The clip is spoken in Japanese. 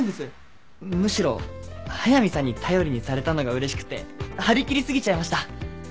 むしろ速見さんに頼りにされたのがうれしくて張り切り過ぎちゃいました。